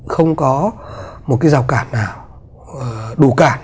không có một cái rào cản nào đủ cản